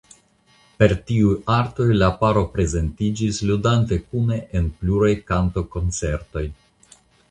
Per tiuj artoj la paro prezentiĝis ludante kune en pluraj kantkoncertoj.